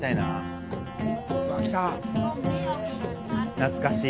懐かしい。